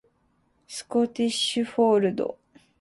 スコティッシュフォールド